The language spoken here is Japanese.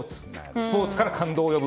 スポーツから感動を呼ぶ。